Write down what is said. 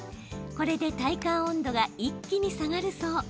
これで、体感温度が一気に下がるそう。